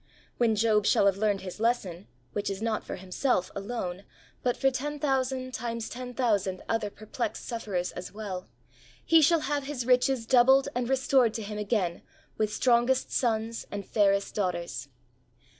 When Job shall have learned his lesson, which is not for himself alone, but for ten thousand times ten thousand other perplexed sufferers as well, he shall have his riches doubled and restored to him again with strongest sons and ' fairest daughters.